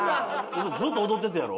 ずっと踊ってたやろ？